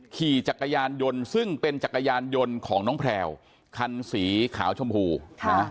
ขี่จักรยานยนต์ซึ่งเป็นจักรยานยนต์ของน้องแพลวคันสีขาวชมพูนะ